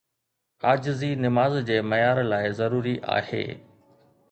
عاجزي نماز جي معيار لاءِ ضروري آهي.